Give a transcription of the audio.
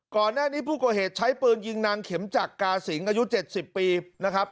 ก่อนหน้านี้ผู้ก่อเหตุใช้ปืนยิงนางเข็มจักราสิงอายุ๗๐ปีนะครับ